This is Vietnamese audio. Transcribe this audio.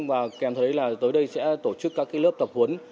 và kèm thấy là tới đây sẽ tổ chức các lớp tập huấn